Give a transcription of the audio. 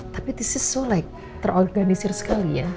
tapi ini sangat terorganisir sekali ya